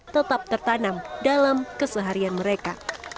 tetap tertanam dalam keseharian mereka